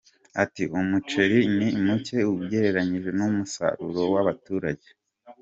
Ati “Umuceri ni muke ugereranyije n’umusaruro w’abaturage.